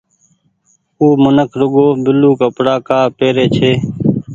او منک رڳو بيلو ڪپڙآ ڪآ پيري ڇي۔